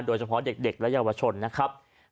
โดยเฉพาะเด็กและเยาวชนนะครับ